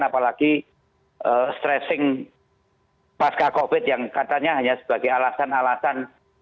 apalagi stressing pasca covid yang katanya hanya sebagai alasan alasan